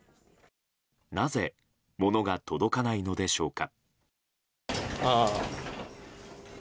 なぜ物が届かないのでしょうか。